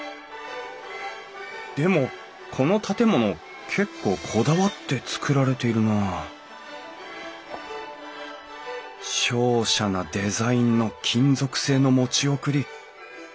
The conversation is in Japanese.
でもこの建物結構こだわって造られているなあ瀟洒なデザインの金属製の持ち送り。